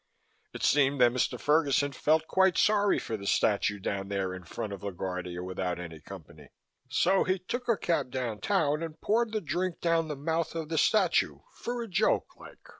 It seemed that Mr. Ferguson felt quite sorry for the statue down there in front of LaGuardia without any company. So he took a cab downtown and poured the drink down the mouth of the statue for a joke, like.